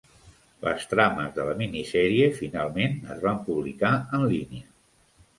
Les trames de la minisèrie finalment es van publicar en línia.